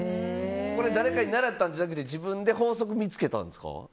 誰かに習ったんじゃなくて自分で法則を見つけたんですか。